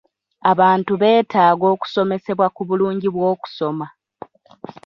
Abantu beetaga okusomesebwa ku bulungi bw'okusoma.